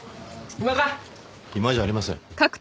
暇じゃありません。